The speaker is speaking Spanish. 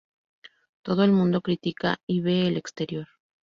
Todo el mundo critica y ve el exterior.